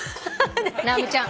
直美ちゃん